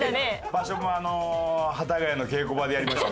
場所もあの幡ヶ谷の稽古場でやりましたから。